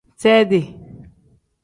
Seedi.